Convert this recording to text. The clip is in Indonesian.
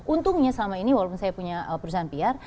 untungnya selama ini walaupun saya punya perusahaan pr